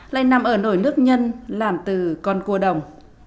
lại nằm ở nổi nước nhân làm từ con cua đồng